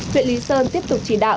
huyện lý sơn tiếp tục chỉ đạo